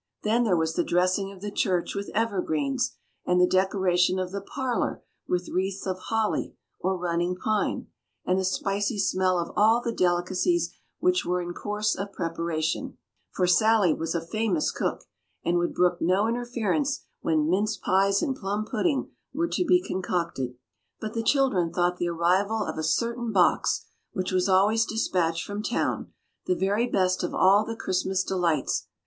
Then there was the dressing of the church with evergreens, and the decoration of the parlor with wreaths of holly or running pine, and the spicy smell of all the delicacies which were in course of preparation, for Sally was a famous cook, and would brook no interference when mince pies and plum pudding were to be concocted. But the children thought the arrival of a certain box, which was always dispatched from town, the very best of all the Christmas delights.